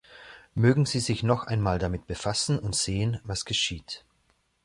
Mögen sie sich noch einmal damit befassen und sehen, was geschieht.